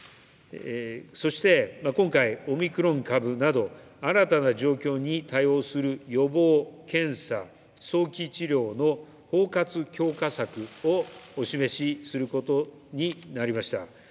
そして、今回、オミクロン株など新たな状況に対応する予防、検査、早期治療の包括強化策をお示しすることになりました。